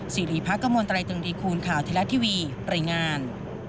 สิริพักกมลตรายตึงดีคูณข่าวเทราะทีวีรายงาน